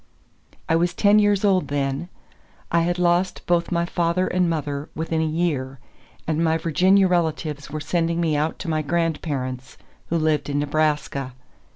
I was ten years old then; I had lost both my father and mother within a year, and my Virginia relatives were sending me out to my grandparents, who lived in Nebraska.